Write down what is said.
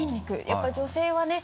やっぱり女性はね